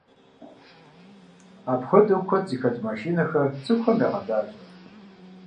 Апхуэдэу куэду зэхэлъ машинэхэр цӀыхухэм ягъэлажьэ.